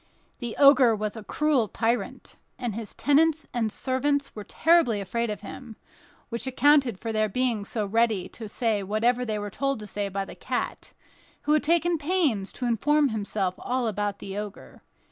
This Ogre was a cruel tyrant, and his tenants and servants were terribly afraid of him, which accounted for their being so ready to say whatever they were told to say by the cat, who had taken pains to inform himself all about the Ogre.